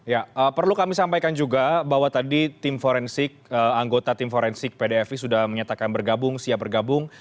ya perlu kami sampaikan juga bahwa tadi tim forensik anggota tim forensik pdfi sudah menyatakan bergabung siap bergabung